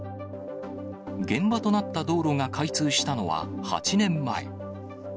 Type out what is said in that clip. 現場となった道路が開通したのは、８年前。